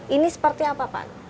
ini seperti apa pak